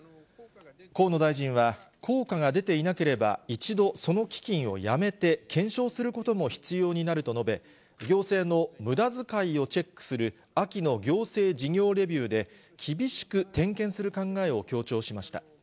河野大臣は、効果が出ていなければ、一度、その基金をやめて、検証することも必要になると述べ、行政のむだづかいをチェックする秋の行政事業レビューで、厳しく点検する考えを強調しました。